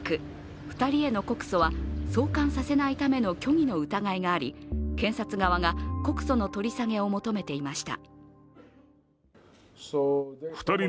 ２人への告訴は送還させないための虚偽の疑いがあり検察側が告訴の取り下げを求めていました。